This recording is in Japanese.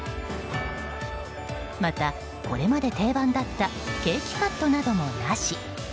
また、これまで定番だったケーキカットなどもなし。